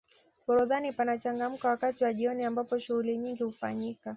forodhani panachangamka wakati wa jioni ambapo shughuli nyingi hufanyika